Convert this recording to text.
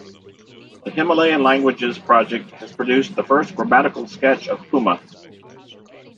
The Himalayan Languages Project has produced the first grammatical sketch of Puma.